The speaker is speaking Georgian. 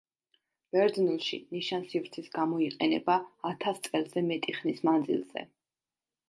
ბერძნულში ნიშანსივრცის გამოიყენება ათას წელზე მეტი ხნის მანძილზე.